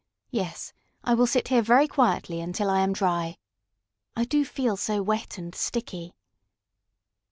Yes, I will sit here very quietly until I am dry. I do feel so wet and sticky!"